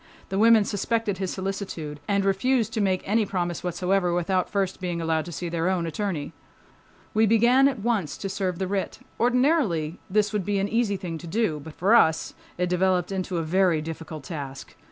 The women suspected his solicitude and refused to make any promise whatsoever without first being allowed to see their own attorney. We began at once to serve the writ. Ordinarily this would be an easy thing to do. But for us it developed into a very difficult task.